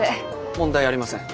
問題ありません。